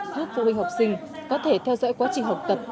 giúp phụ huynh học sinh có thể theo dõi quá trình học tập